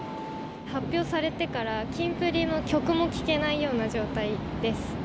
発表されてから、キンプリの曲も聴けないような状態です。